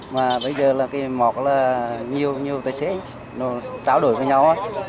mà bây giờ là cái mọt là nhiều nhiều tài xế nó tráo đổi với nhau